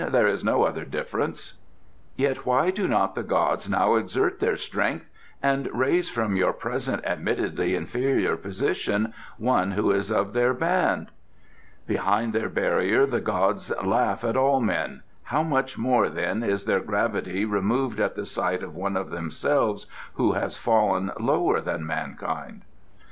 "There is no other difference." "Yet why do not the gods now exert their strength and raise from your present admittedly inferior position one who is of their band?" "Behind their barrier the gods laugh at all men. How much more, then, is their gravity removed at the sight of one of themselves who has fallen lower than mankind?"